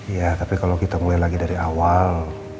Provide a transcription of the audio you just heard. ya tapi kalo kita mulai lagi dari awal